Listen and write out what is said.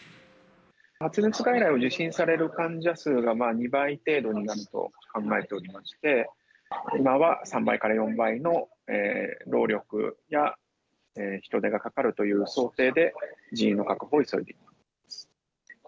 発熱外来を受診される患者数が、２倍程度になると考えておりまして、今は３倍から４倍の労力や人手がかかるという想定で、人員の確保を急いでおります。